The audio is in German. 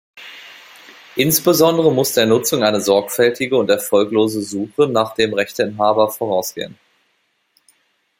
Insbesondere muss der Nutzung eine sorgfältige und erfolglose Suche nach dem Rechteinhaber vorausgehen.